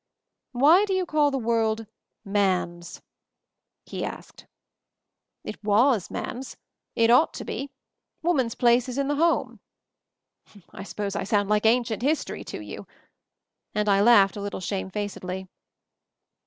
"Why do you call the world "man's?" he asked. "It was man's; it ought to be. Woman's place is in the home. I suppose I sound like MOVING THE MOUNTAIN 115 ancient history to you?" and I laughed a lit tle shamefacedly.